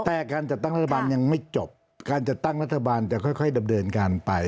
แต่การจัดตั้งรัฐบาลยังไม่จบการจัดตั้งรัฐบาลจะค่อยดำเนินการไป